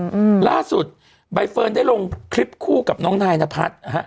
อืมล่าสุดใบเฟิร์นได้ลงคลิปคู่กับน้องนายนพัฒน์นะฮะ